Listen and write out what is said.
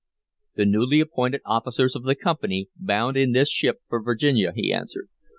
"The newly appointed officers of the Company, bound in this ship for Virginia," he answered.